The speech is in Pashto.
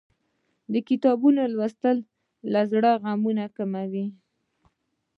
د کتابونو لوستل له زړه غمونه کموي.